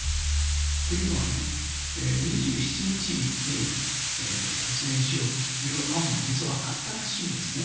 というのはね２７日に突入しようという案も実はあったらしいんですね。